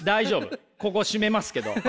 ここ締めますけど。